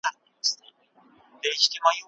د لامبو وهلو پر مهال د وینې جریان زیاتېږي.